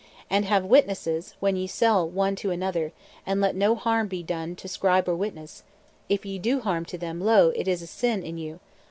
And have witnesses when ye sell one to another, and let no harm be done to scribe or witness. If ye do (harm to them) lo! it is a sin in you.